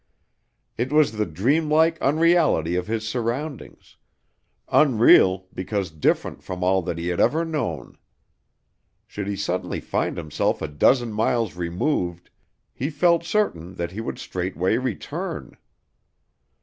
It was the dream like unreality of his surroundings unreal, because different from all that he had ever known. Should he suddenly find himself a dozen miles removed, he felt certain that he would straightway return.